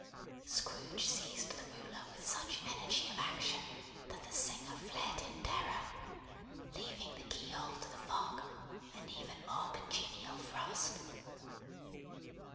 Scrooge seized the ruler with such energy of action, that the singer fled in terror, leaving the keyhole to the fog and even more congenial frost.